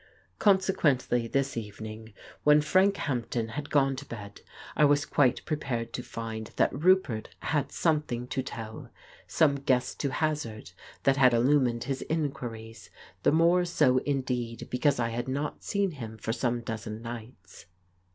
... Consequently this evening, when Frank Hampden had gone to bed, I was quite prepared to find that Roupert had something to tell, some guess to hazard that had illumined his inquiries, the more so indeed because I had not seen him for some dozen nights.